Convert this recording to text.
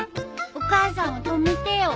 お母さんを止めてよ。